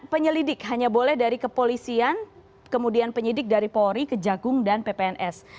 penyelidik hanya boleh dari kepolisian kemudian penyelidik dari pori ke jagung dan ppns